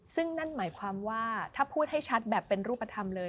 ซึ่งนั่นหมายความว่าถ้าพูดให้ชัดแบบเป็นรูปธรรมเลย